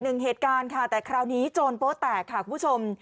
หนึ่งเหตุการณ์ค่ะแต่คราวนี้โจรโป๊แตกค่ะคุณผู้ชม